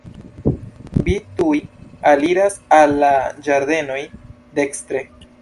Vi tuj aliras al la ĝardenoj, dekstre.